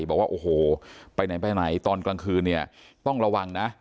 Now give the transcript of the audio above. บอกว่าโอ้โหไปไหนไปไหนตอนกลางคืนเนี่ยต้องระวังนะ